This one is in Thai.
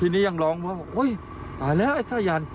ทีนี้ยังร้องว่าเฮ้ยตายแล้วไอ้สระแย่น